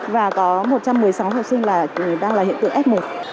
và có một trăm một mươi sáu học sinh là đang là hiện tượng f một